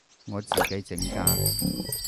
我自己整㗎